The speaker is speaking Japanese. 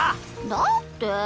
だって。